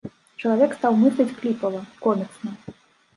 Чалавек стаў мысліць кліпава, коміксна.